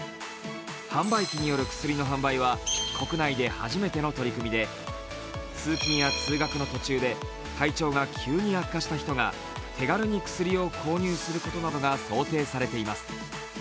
販売機による薬の販売は国内で初めての取り組みで通勤や通学の途中で体調が急に悪化した人が手軽に薬を購入することなどが想定されています。